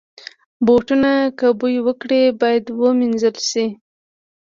بوټونه که بوی وکړي، باید وینځل شي.